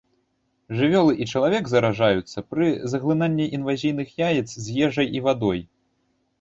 Жывёлы і чалавек заражаюцца пры заглынанні інвазійных яец з ежай і вадой.